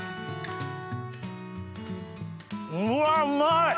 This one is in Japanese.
うわうまい！